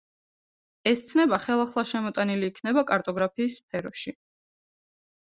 ეს ცნება ხელახლა შემოტანილი იქნება კარტოგრაფიის სფეროში.